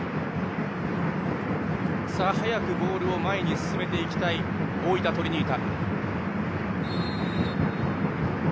早くボールを前に進めていきたい大分トリニータ。